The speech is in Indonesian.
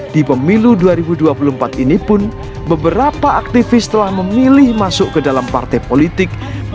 di pemilu dua ribu dua puluh empat ini pun beberapa aktivis telah memilih masuk ke dalam partai politik